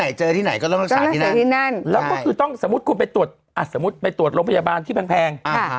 อาจจะได้รักษายังไงมันก็ต้องไปที่นั่น